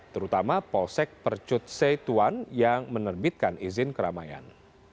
terutama polsek percut setuan yang menerbitkan izin keramaian